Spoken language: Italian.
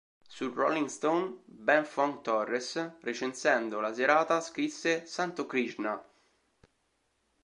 Su "Rolling Stone", Ben Fong-Torres recensendo la serata scrisse: "Santo Krishna!